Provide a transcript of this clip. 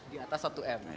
di atas satu m